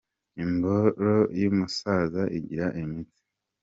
imboro y'umusaza igira imitsi